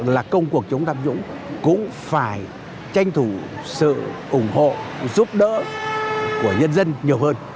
là công cuộc chống tham nhũng cũng phải tranh thủ sự ủng hộ giúp đỡ của nhân dân nhiều hơn